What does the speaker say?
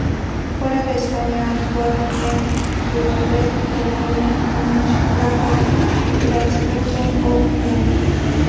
Fuera de España ha actuado en Budapest, Colonia, Múnich, Praga, Salzburgo o Viena.